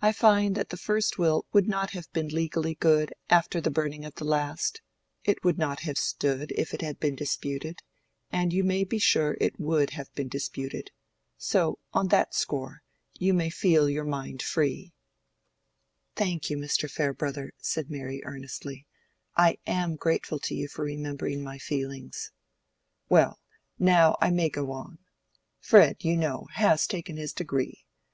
I find that the first will would not have been legally good after the burning of the last; it would not have stood if it had been disputed, and you may be sure it would have been disputed. So, on that score, you may feel your mind free." "Thank you, Mr. Farebrother," said Mary, earnestly. "I am grateful to you for remembering my feelings." "Well, now I may go on. Fred, you know, has taken his degree.